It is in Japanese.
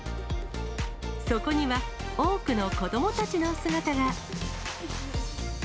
そこには、多くの子どもたちの姿が。